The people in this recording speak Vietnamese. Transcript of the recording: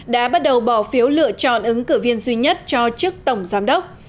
đã bắt đầu bỏ phiếu lựa chọn ứng cử viên duy nhất cho chức tổng giám đốc